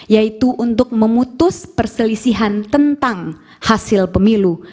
yaitu untuk memutus perselisihan tentang hasil pemilu